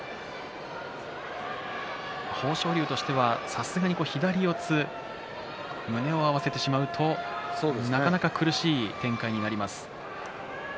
豊昇龍としては、さすがに左四つ胸を合わせてしまうとなかなか苦しい展開になります。